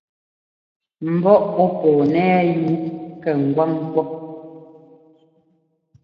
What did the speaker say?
Mbɔ́ ɔ́ pɔɔ nɛ́ yú kɛ ŋgwáŋ pɔ́.